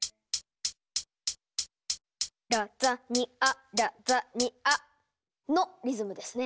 「ラザニアラザニア」のリズムですね。